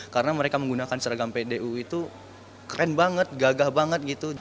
karena mereka menggunakan seragam pdu itu keren banget gagah banget gitu